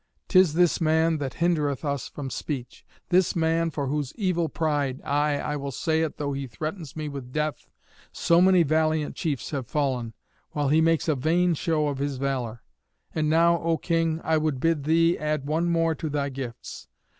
'Tis this man that hindereth us from speech; this man for whose evil pride aye, I will say it though he threaten me with death so many valiant chiefs have fallen, while he makes a vain show of his valour. And now, O King, I would bid thee add one more to thy gifts.